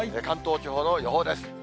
関東地方の予報です。